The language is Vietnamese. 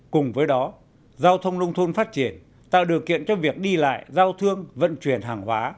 cùng với đó giao thông nông thôn phát triển tạo điều kiện cho việc đi lại giao thương vận chuyển hàng hóa